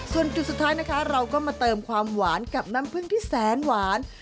ส่วนจุดสุดท้ายนะคะเราก็มาเติมความหวานกับน้ำผึ้งที่แสนหวาน